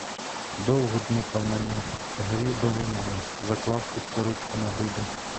Довго дмухав на ню, грів долонями, заклав під сорочку на груди.